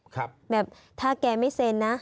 แบบถ้าแกไม่เซ็นนะ